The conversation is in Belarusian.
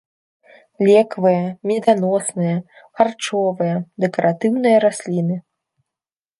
Лекавыя, меданосныя, харчовыя, дэкаратыўныя расліны.